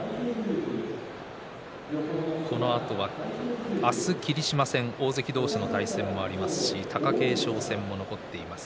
このあとは明日、霧島戦大関同士の対戦もありますし貴景勝戦も残っています。